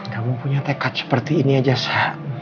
kamu punya tekat seperti ini aja sa